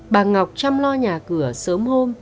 bà ngọc chăm lo nhà cửa sớm hôm